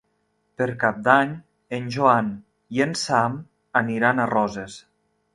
Per Cap d'Any en Joan i en Sam aniran a Roses.